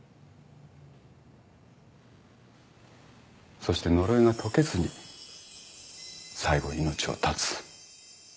そして呪いが解けずに最後命を絶つ。